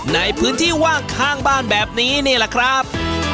ในพื้นที่ว่างข้างบ้านแบบนี้นี่แหละครับ